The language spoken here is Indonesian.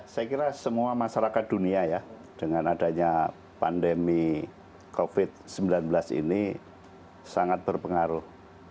saya kira semua masyarakat dunia ya dengan adanya pandemi covid sembilan belas ini sangat berpengaruh